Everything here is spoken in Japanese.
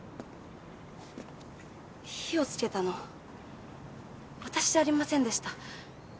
火をつけたの私じゃありませんでした。